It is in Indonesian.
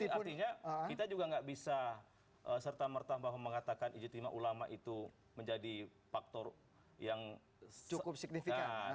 tapi artinya kita juga nggak bisa serta merta bahwa mengatakan ijtima ulama itu menjadi faktor yang cukup signifikan